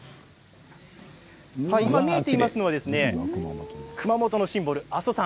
今、見えていますのは熊本のシンボル、阿蘇山。